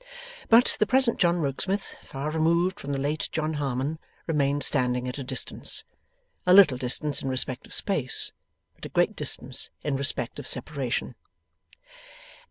But, the present John Rokesmith, far removed from the late John Harmon, remained standing at a distance. A little distance in respect of space, but a great distance in respect of separation.